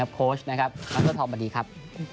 โคชน์นะครับอัลฟ้าทอมดีครับ